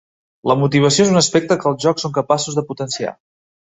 La motivació és un aspecte que els jocs són capaços de potenciar.